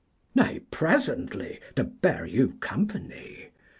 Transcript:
Nay, presently, to bear you company.